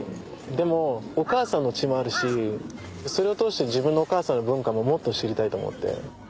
でもお母さんの血もあるしそれを通して自分のお母さんの文化ももっと知りたいと思って。